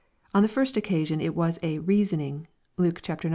On the first occasion it was a " reasoning," (Luke ix.